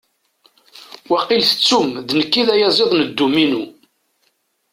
Wakil tettum d nekk i d ayaziḍ n dduminu.